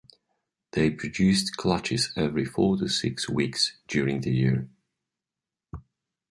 They produced clutches every four to six weeks during the year.